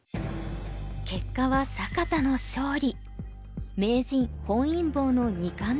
結果は坂田の勝利。